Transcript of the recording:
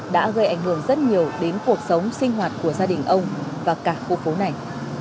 đã gây ảnh hưởng rất nhiều đến cuộc sống sinh hoạt của gia đình ông và cả khu phố này